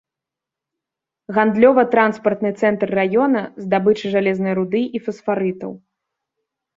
Гандлёва-транспартны цэнтр раёна здабычы жалезнай руды і фасфарытаў.